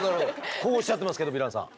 こうおっしゃってますけどヴィランさん。